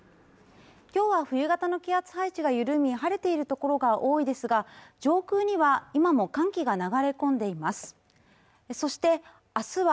今日は冬型の気圧配置が緩み晴れている所が多いですが上空には今も寒気が流れ込んでいます